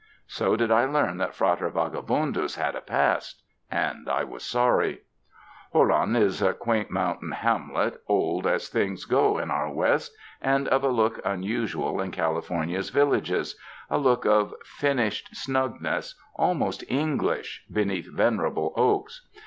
So did I learn that Frater Vagabundus had a past, and I was sorry. Jolon is a quaint mountain hamlet, old as things go in our West, and of a look unusual in California's villages — a look of finished snugness, almost Eng lish, beneath venerable oaks.